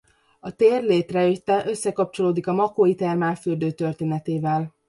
A tér létrejötte összekapcsolódik a makói termálfürdő történetével.